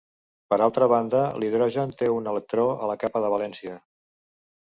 Per altra banda, l'hidrogen, té un electró a la capa de valència.